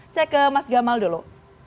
saya ke mas gamal dulu